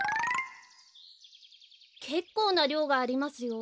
けっこうなりょうがありますよ。